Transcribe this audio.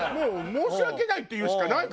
「申し訳ない」って言うしかないからね